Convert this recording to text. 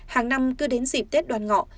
hàng năm cứ đến dịp tết đoàn ngọ